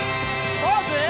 ポーズ！